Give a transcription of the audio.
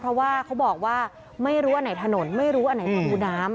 เพราะว่าเขาบอกว่าไม่รู้อันไหนถนนไม่รู้อันไหนมาดูน้ำ